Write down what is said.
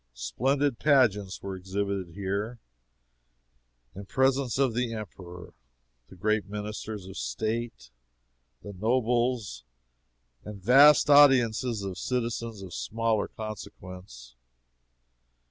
Splendid pageants were exhibited here, in presence of the Emperor, the great ministers of State, the nobles, and vast audiences of citizens of smaller consequence.